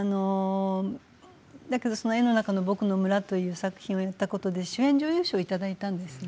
だけどその「絵の中のぼくの村」という作品に出たことで主演女優賞をいただいたんです。